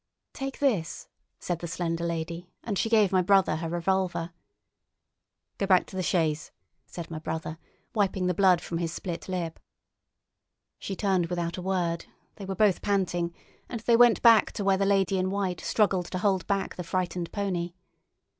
"Take this!" said the slender lady, and she gave my brother her revolver. "Go back to the chaise," said my brother, wiping the blood from his split lip. She turned without a word—they were both panting—and they went back to where the lady in white struggled to hold back the frightened pony.